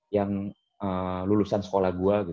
yang lulusan sekolah gue